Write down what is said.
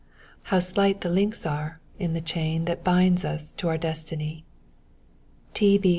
How slight the links are in the chain That binds us to our destiny! T.B.